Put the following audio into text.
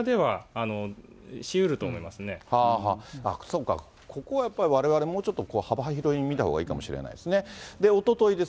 そこがやっぱり、われわれもうちょっと、幅広に見たほうがいいかもしれないですね。